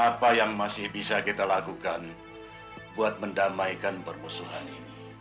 apa yang masih bisa kita lakukan buat mendamaikan permusuhan ini